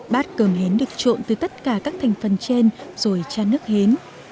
bát cơm hến được trộn từ tất cả các thành phần trên rồi cha nước hến